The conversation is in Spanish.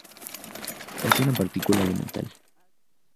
Es una partícula elemental.